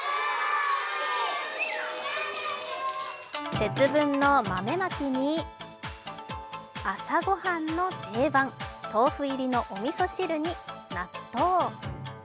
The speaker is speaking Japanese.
節分の豆まきに朝御飯の定番、豆腐入りのおみそ汁に納豆。